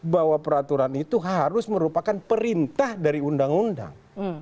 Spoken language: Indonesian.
bahwa peraturan itu harus merupakan perintah dari undang undang